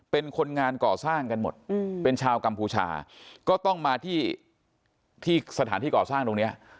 เป็นคนงานก่อสร้างกันหมดเป็นชาวกัมพูชาก็ต้องมาที่สถานที่ก่อสร้างตรงนี้